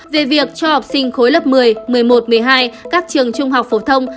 về việc cho học sinh khối lớp một mươi một mươi một một mươi hai các trường trung học phổ thông